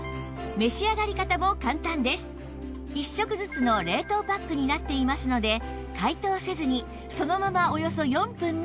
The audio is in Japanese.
１食ずつの冷凍パックになっていますので解凍せずにそのままおよそ４分の湯煎